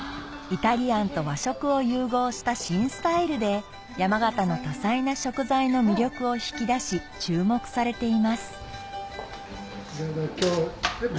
イタリアンと和食を融合した新スタイルで山形の多彩な食材の魅力を引き出し注目されています